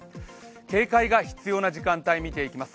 警戒が必要な時間帯見ていきます。